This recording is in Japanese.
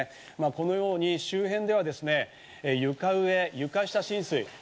このように周辺では床上、床下浸水。